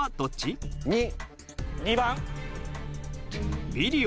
２番。